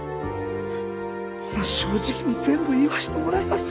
ほな正直に全部言わしてもらいます。